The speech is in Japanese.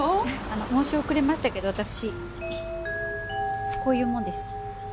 あの申し遅れましたけど私こういうもんです。